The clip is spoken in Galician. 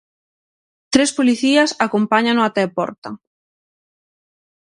Tres policías acompáñano até a porta.